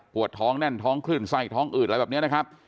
ท้องแน่นท้องคลื่นไส้ท้องอืดอะไรแบบนี้นะครับ